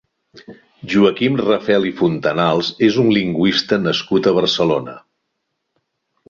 Joaquim Rafel i Fontanals és un lingüista nascut a Barcelona.